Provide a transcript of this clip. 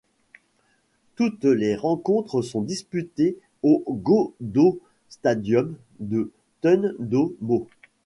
Toutes les rencontres sont disputées au Gò Đậu Stadium de Thủ Dầu Một.